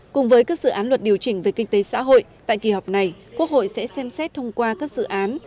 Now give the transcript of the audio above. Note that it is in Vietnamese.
cùng với các dự án luật điều chỉnh về kinh tế xã hội tại kỳ họp này quốc hội sẽ xem xét thông qua các dự án